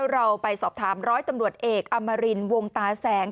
เราไปสอบถามร้อยตำรวจเอกอมรินวงตาแสง